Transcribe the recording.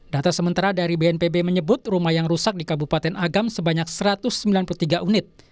data sementara dari bnpb menyebut rumah yang rusak di kabupaten agam sebanyak satu ratus sembilan puluh tiga unit